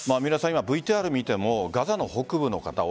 ＶＴＲを見てもガザの北部の方